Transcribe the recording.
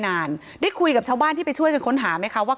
นานได้คุยกับชาวบ้านที่ไปช่วยกันค้นหาไหมคะว่า